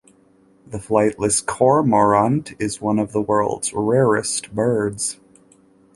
The flightless cormorant is one of the world's rarest birds.